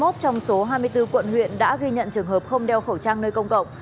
hai mươi một trong số hai mươi bốn quận huyện đã ghi nhận trường hợp không đeo khẩu trang nơi công cộng